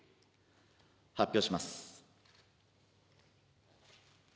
発表します。